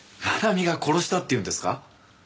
真奈美が殺したって言うんですか？